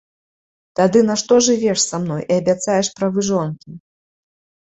Тады нашто жывеш са мной і абяцаеш правы жонкі?